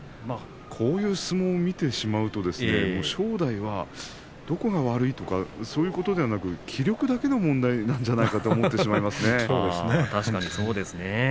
こういう相撲を見てしまうと正代はどこが悪いとかそういうことじゃなくて気力だけの問題じゃないかなと思いますね。